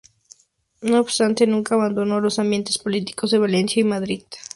No obstante, nunca abandonó los ambientes políticos de Valencia y Madrid.